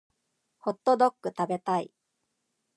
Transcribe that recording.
ホットドック食べたい